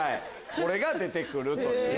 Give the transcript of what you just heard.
これが出て来るという。